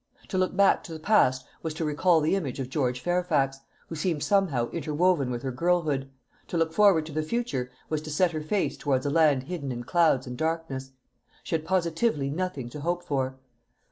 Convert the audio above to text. To look back to the past was to recall the image of George Fairfax, who seemed somehow interwoven with her girlhood; to look forward to the future was to set her face towards a land hidden in clouds and darkness. She had positively nothing to hope for.